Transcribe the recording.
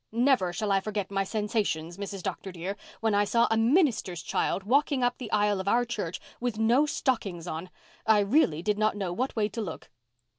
Never shall I forget my sensations, Mrs. Dr. dear, when I saw a minister's child walking up the aisle of our church with no stockings on. I really did not know what way to look."